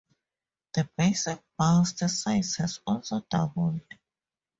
The basic burst size has also doubled.